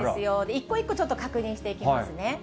一個一個、ちょっと確認していきますね。